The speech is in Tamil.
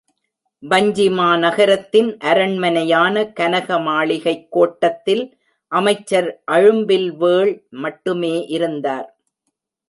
வஞ்சிமாநகரத்தின் அரண்மனையான கனக மாளிகைக் கோட்டத்தில் அமைச்சர் அழும்பில்வேள் மட்டுமே இருந்தார்.